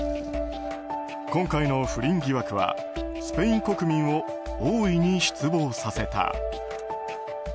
今回の不倫疑惑はスペイン国民を大いに失望させた。